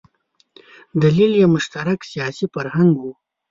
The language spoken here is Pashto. دلیل یې مشترک سیاسي فرهنګ و.